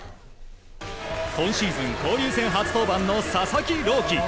今シーズン交流戦初登板の佐々木朗希。